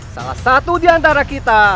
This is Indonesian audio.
salah satu diantara kita